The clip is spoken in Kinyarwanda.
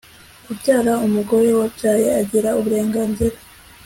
kubyara umugore wabyaye agira uburenganzira